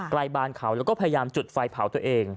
บานเขาแล้วก็พยายามจุดไฟเผาตัวเอง